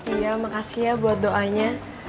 iya makasih ya buat doanya